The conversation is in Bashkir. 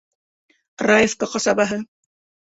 Раевка ҡасабаһы.